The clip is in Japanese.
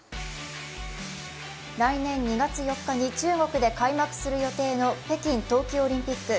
来年２月４日に中国で開幕する予定の北京冬季オリンピック。